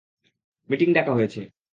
Meeting ডাকা হয়েছে।